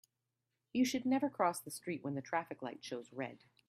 You should never cross the street when the traffic light shows red.